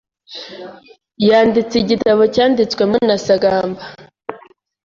yanditse igitabo cyanditswemo na saga mba